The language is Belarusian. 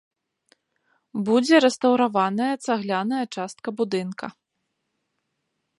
Будзе рэстаўраваная цагляная частка будынка.